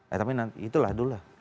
ya tapi nanti itulah dulu lah